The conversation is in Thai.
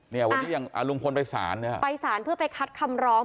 เนี่ยวันนี้ยังอ่าลุงพลไปศาลนะฮะไปสารเพื่อไปคัดคำร้อง